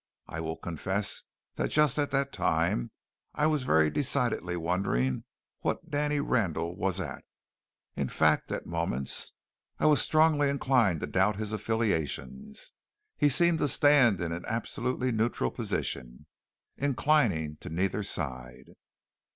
I will confess that just at that time I was very decidedly wondering what Danny Randall was at. In fact, at moments I was strongly inclined to doubt his affiliations. He seemed to stand in an absolutely neutral position, inclining to neither side.